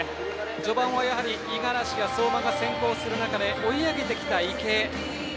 序盤は五十嵐、相馬が先行する中で追い上げてきた池江。